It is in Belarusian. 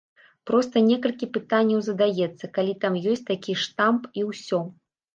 Проста некалькі пытанняў задаецца, калі там ёсць такі штамп, і ўсё.